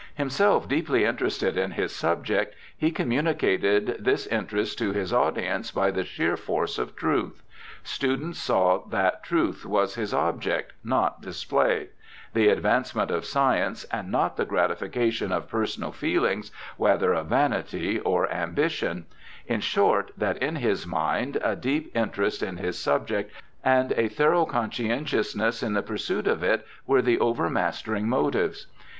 Himself deeply interested in his subject, he communicated this interest to his audience by the sheer force of truth. Students saw that truth was his object, not display; the advancement of science, and not the gratification of personal feelings, whether of vanity or ambition ; in short, that in his mind, a deep interest in his subject and a thorough conscientiousness in the pursuit of it were the overmastering motives.